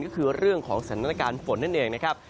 ก็คือเรื่องของสถานการณ์ฝนนั่นเองนะครับ